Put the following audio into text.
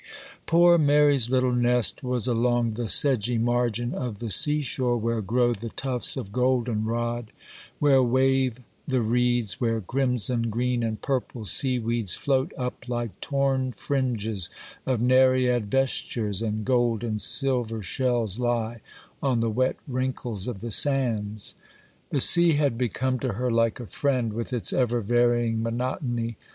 Poor Mary's little nest was along the sedgy margin of the sea shore, where grow the tufts of golden rod, where wave the reeds, where crimson, green, and purple sea weeds float up, like torn fringes of Nereid vestures, and gold and silver shells lie on the wet wrinkles of the sands. The sea had become to her like a friend, with its ever varying monotony.